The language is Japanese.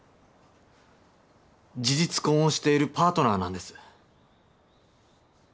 事実婚をしているパートナーなんです